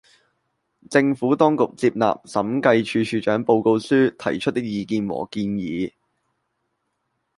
政府當局接納審計署署長報告書提出的意見和建議